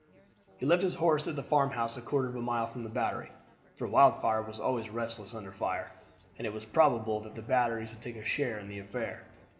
He left his horse at a farmhouse a quarter of a mile from the battery; for Wildfire was always restless under fire, and it was probable that the batteries would take a share in the affair.